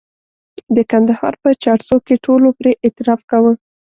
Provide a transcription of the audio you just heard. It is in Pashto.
د کندهار په چارسو کې ټولو پرې اعتراف کاوه.